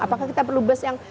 apakah kita perlu bus yang